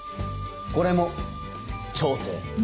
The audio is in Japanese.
これも調整